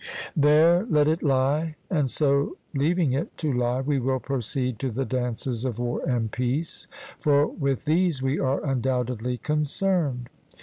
There let it lie; and so leaving it to lie, we will proceed to the dances of war and peace, for with these we are undoubtedly concerned.